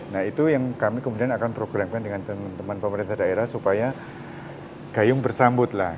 nah itu yang kami kemudian akan programkan dengan teman teman pemerintah daerah supaya gayung bersambut lah